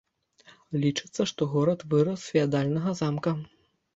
Лічацца, што горад вырас з феадальнага замка.